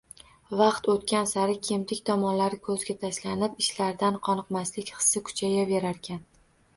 Vaqt o‘tgan sari kemtik tomonlari ko‘zga tashlanib, ishlaringdan qoniqmaslik hissi kuchayaverarkan.